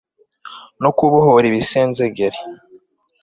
no kubohoribisenzegeri